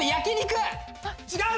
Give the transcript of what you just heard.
違う！